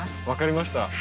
分かりました。